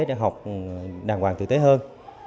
để học đàng hoàng tử tế hơn